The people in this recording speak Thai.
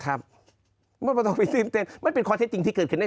ครับมันต้องไปตื่นเต้นมันเป็นคอเทคจริงที่เกิดขึ้นใน